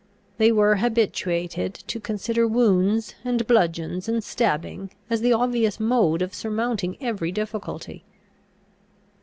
They were habituated to consider wounds and bludgeons and stabbing as the obvious mode of surmounting every difficulty.